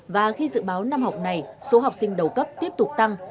và khi dự báo năm học này số học sinh đầu cấp tiếp tục tăng